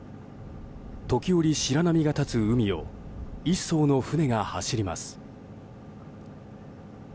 時折、白波が立つ海を１艘の船が走ります。